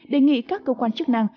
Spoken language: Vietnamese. đề nghị các cơ quan chức năng